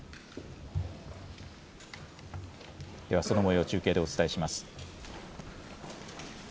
ではそのもよう、中継でお伝えします。